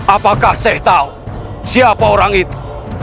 apakah saya tahu siapa orang itu